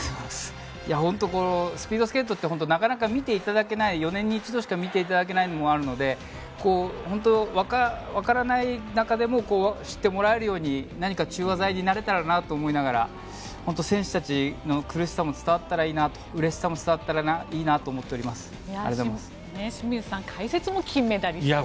本当にスピードスケートってなかなか見ていただけない４年に一度しか見ていただけないのもあるのでわからない中でも知ってもらえるように何か中和剤になれたらなと思いながら本当に選手たちの苦しさも伝わったらいいなとうれしさも伝わったらいいなと思っています。